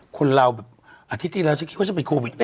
คนเราแบบอาทิตย์ที่แล้วฉันคิดว่าฉันเป็นโควิด